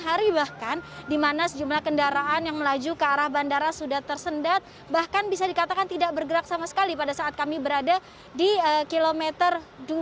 hari bahkan di mana sejumlah kendaraan yang melaju ke arah bandara sudah tersendat bahkan bisa dikatakan tidak bergerak sama sekali pada saat kami berada di kilometer dua puluh